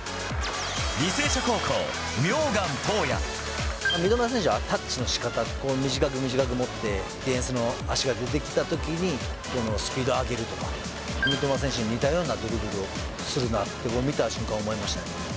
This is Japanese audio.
履正社高校、三笘選手はタッチのしかた、短く短く持って、ディフェンスの足が出てきたときに、スピードを上げるとか、三笘選手に似たようなドリブルをするなって、見た瞬間思いましたね。